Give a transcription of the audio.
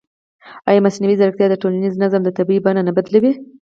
ایا مصنوعي ځیرکتیا د ټولنیز نظم طبیعي بڼه نه بدلوي؟